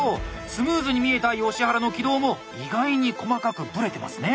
スムーズに見えた吉原の軌道も意外に細かくブレてますね。